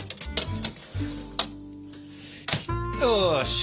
よし。